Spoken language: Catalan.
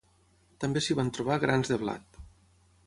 També s'hi van trobar grans de blat.